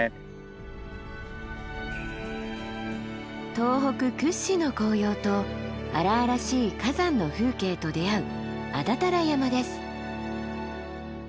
東北屈指の紅葉と荒々しい火山の風景と出会う安達太良山です。